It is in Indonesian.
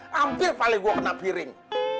hampir kali gua kena piring